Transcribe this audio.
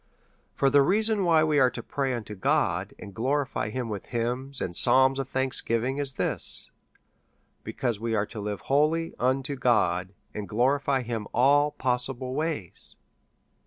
For the reason why we are to pray unto God, and praise him with hymns, and psalms of thanksgiving, is this, because we are to live wholly unto God, and glo rify him all possible ways.